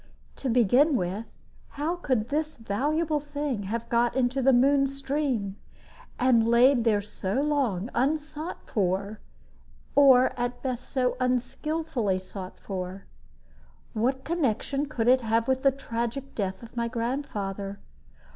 To begin with, how could this valuable thing have got into the Moon stream, and lain there so long, unsought for, or at best so unskillfully sought for? What connection could it have with the tragic death of my grandfather?